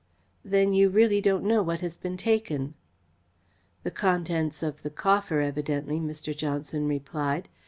"Then you really don't know what has been taken?" "The contents of the coffer evidently," Mr. Johnson replied.